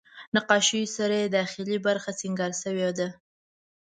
نقاشیو سره یې داخلي برخه سینګار شوې ده.